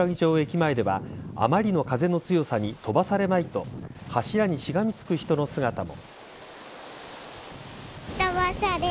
前ではあまりの風の強さに飛ばされまいと柱にしがみつく人の姿も。